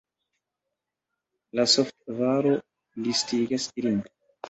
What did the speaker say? La softvaro listigas ilin.